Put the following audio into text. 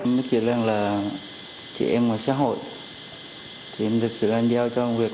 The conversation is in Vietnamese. mới kể lại là chị em ngoài xã hội chị em được kể lại đeo cho công việc